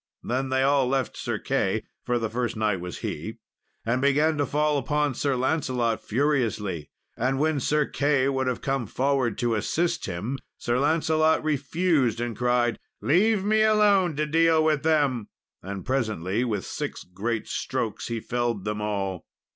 Then they all left Sir Key, for the first knight was he, and began to fall upon Sir Lancelot furiously. And when Sir Key would have come forward to assist him, Sir Lancelot refused, and cried, "Leave me alone to deal with them." And presently, with six great strokes, he felled them all.